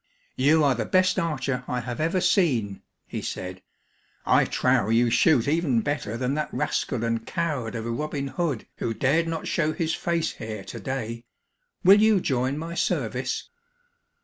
"You are the best archer I have ever seen," he said. "I trow you shoot even better than that rascal and coward of a Robin Hood who dared not show his face here today. Will you join my service?"